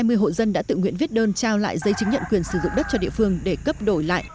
hiện tại có khoảng hai mươi hộ dân đã tự nguyện viết đơn trao lại giấy chứng nhận quyền sử dụng đất cho địa phương để cấp đổi lại